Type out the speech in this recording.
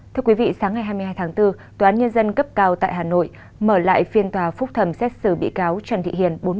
thưa quý vị sáng ngày hai mươi hai tháng bốn tòa án nhân dân cấp cao tại hà nội mở lại phiên tòa phúc thẩm xét xử bị cáo trần thị hiền